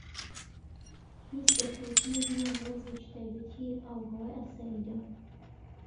هیچ دەرکەوتنێک نیە لە وەرزێکی تایبەتی ئاوهەوای ئاساییدا.